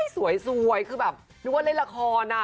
สวยคือแบบนึกว่าเล่นละคร